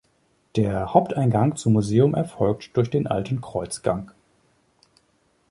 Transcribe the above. Der Haupteingang zum Museum erfolgt durch den alten Kreuzgang.